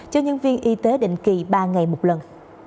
cho nhân viên y tế định kỳ ba ngày một lần